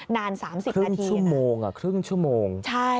นาน๓๐นาทีนะครับใช่นะครับพี่สาวบอกว่าครึ่งชั่วโมง